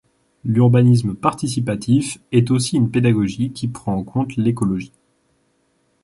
L'urbanisme participatif est aussi une pédagogie qui prend en compte l'écologie.